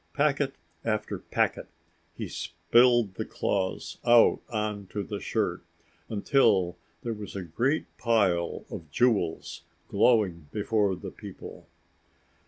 Packet after packet, he spilled the claws out on to the shirt until there was a great pile of jewels glowing before the people.